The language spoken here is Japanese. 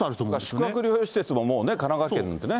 宿泊療養施設ももうね、神奈川県なんかね。